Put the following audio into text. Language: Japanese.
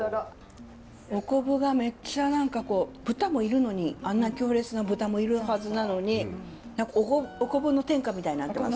お昆布がめっちゃ何かこう豚もいるのにあんな強烈な豚もいるはずなのにお昆布の天下みたいになってます。